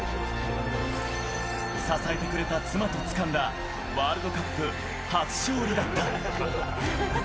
支えてくれた妻とつかんだワールドカップ初勝利だった。